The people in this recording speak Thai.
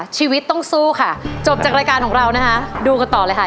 ชีวิตต้องสู้ค่ะจบจากรายการของเรานะคะดูกันต่อเลยค่ะ